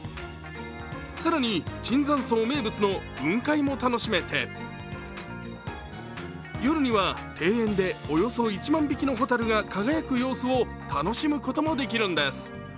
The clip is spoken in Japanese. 更に椿山荘名物の雲海も楽しめて夜には庭園でおよそ１万匹のホタルが輝く様子を楽しむこともできるんです。